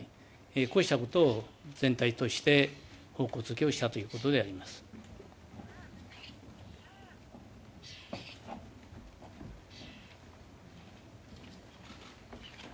こうしたことを全体として方向づけをしたということであります。